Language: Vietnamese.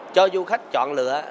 cho du khách chọn lựa